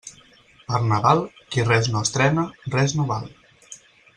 Per Nadal, qui res no estrena, res no val.